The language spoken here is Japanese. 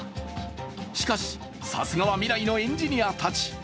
しかし、さすがは未来のエンジニアたち。